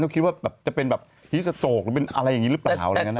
เขาคิดว่าจะเป็นหิสโตกหรือเป็นอะไรอย่างนี้รึเปล่า